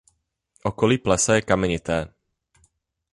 Okolí plesa je kamenité.